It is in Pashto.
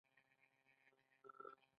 د مقاومت نظریه باید روښانه شي.